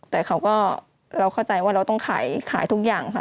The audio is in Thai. แต่เขาก็เราเข้าใจว่าเราต้องขายทุกอย่างค่ะ